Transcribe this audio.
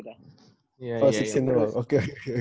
oh enam belas tahun oke oke